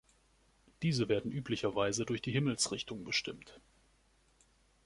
Diese werden üblicherweise durch die Himmelsrichtung bestimmt.